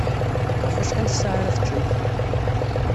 Ɣef wacḥal ssaɛa ara teččemt?